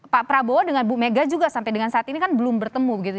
pak prabowo dengan bu mega juga sampai dengan saat ini kan belum bertemu begitu